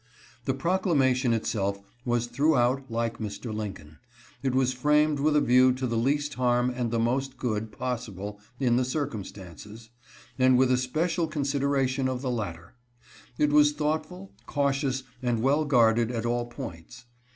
The proclamation itself was throughout like Mr. Lin coln. It was framed with a view to the least harm and the most good possible in the circumstances, and with especial consideration of the latter. It was thoughtful, cautious, and well guarded at all points.